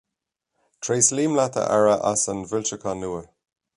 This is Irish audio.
Tréaslaím leat a Aire as an bhfoilseachán nua.